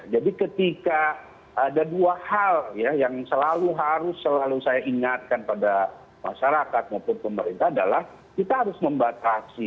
jadi ketika ada dua hal yang selalu harus saya ingatkan pada masyarakat maupun pemerintah adalah kita harus membatasi